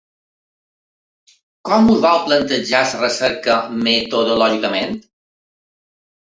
Com us vau plantejar la recerca metodològicament?